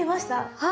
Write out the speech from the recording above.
はい。